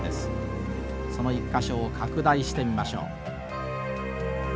その１か所を拡大してみましょう。